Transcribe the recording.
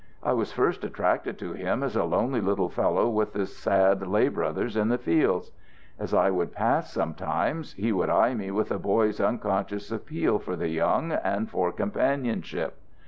I was first attracted to him as a lonely little fellow with the sad lay brothers in the fields. As I would pass sometimes, he would eye me with a boy's unconscious appeal for the young and for companionship.